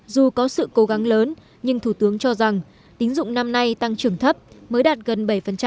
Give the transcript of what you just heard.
dù có sự cố gắng lớn nhưng thủ tướng cho rằng tín dụng năm nay tăng trưởng thấp mới đạt gần bảy